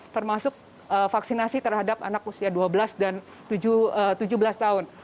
termasuk vaksinasi terhadap anak usia dua belas dan tujuh belas tahun